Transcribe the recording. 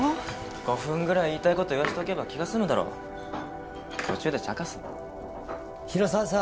５分ぐらい言いたいこと言わしておけば気が済むだろ途中でちゃかすな広沢さ